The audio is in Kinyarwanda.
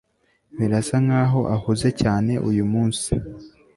Birasa nkaho ahuze cyane uyumunsi